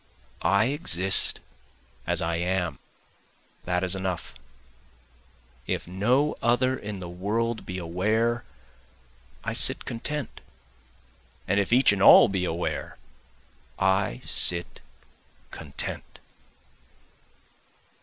I exist as I am, that is enough, If no other in the world be aware I sit content, And if each and all be aware I sit content.